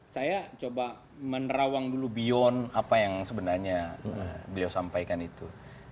saya coba menerawang dulu beyond apa yang sebenarnya beliau sampaikan itu